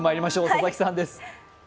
佐々木さんです。